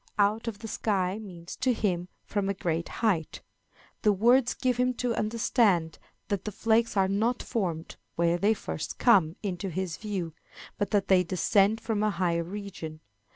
Out of the sky means, to him, from a great height. The words give him to understand that the flakes are not formed where they first come into his view, but that they descend from a higher region.